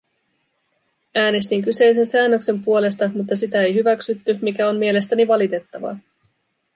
Äänestin kyseisen säännöksen puolesta, mutta sitä ei hyväksytty, mikä on mielestäni valitettavaa.